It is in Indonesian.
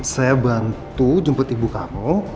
saya bantu jempet ibu kamu